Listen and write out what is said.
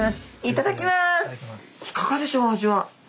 いただきます。